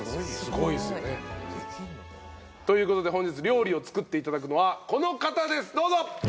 すごいっすよね。ということで本日料理を作っていただくのはこの方ですどうぞ。